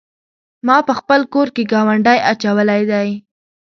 ما په خپل کور کې ګاونډی اچولی دی.